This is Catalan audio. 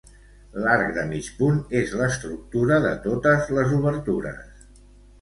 L'arc de mig punt és l'estructura de totes les obertures.